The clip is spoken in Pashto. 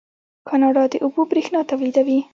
کاناډا د اوبو بریښنا تولیدوي.